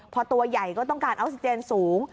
พอตัวใหญ่ก็ต้องการออกซิเจนสูง